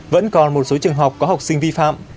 vẫn còn một số trường học có học sinh vi phạm